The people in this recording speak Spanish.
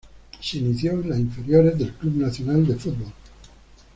Se inició en las inferiores del Club Nacional de Football.